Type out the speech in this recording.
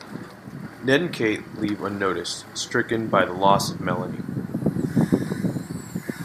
Ned and Kate leave unnoticed, stricken by the loss of Melanie.